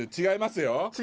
違います？